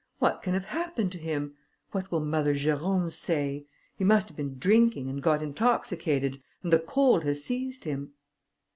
What can have happened to him! What will Mother Jerôme say! He must have been drinking, and got intoxicated, and the cold has seized him."